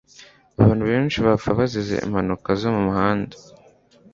Abantu benshi bapfa bazize impanuka zo mumuhanda.